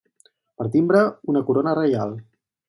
Per timbre, una corona reial.